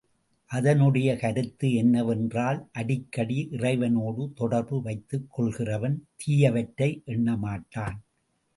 அதனுடைய கருத்து என்னவென்றால், அடிக்கடி இறைவனோடு தொடர்பு வைத்துக் கொள்கிறவன் தீயவற்றை எண்ண மாட்டான்.